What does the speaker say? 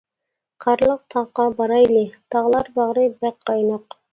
قارلىق تاغقا بارايلى، تاغلار باغرى بەك قايناق.